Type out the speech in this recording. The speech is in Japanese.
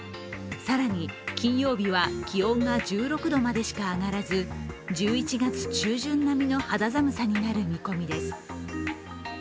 更に金曜日は気温が１６度までしか上がらず１１月中旬並みの肌寒さになる見込みです。